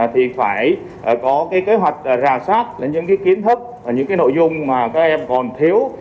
thì phải có kế hoạch rào sát những kiến thức những nội dung mà các em còn thiếu